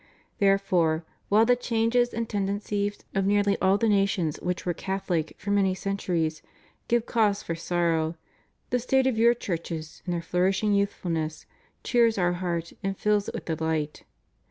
Therefore, while the changes and tendencies of nearly all the nations which were Catholic for many centuries give cause for sorrow, the state of your churches, in their flourishing youthfulness, cheers Our heart and fills it with delight.